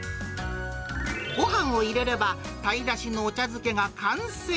ごはんを入れれば、タイだしのお茶漬けが完成。